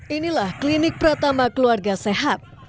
inilah klinik pratama keluarga sehat